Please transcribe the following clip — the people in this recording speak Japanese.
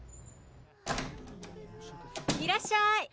いらっしゃい！